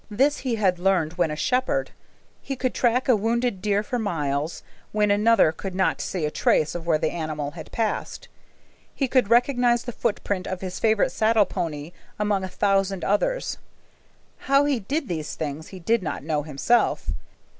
This he had learned when a shepherd. He could track a wounded deer for miles, when another could not see a trace of where the animal had passed. He could recognize the footprint of his favorite saddle pony among a thousand others. How he did these things he did not know himself.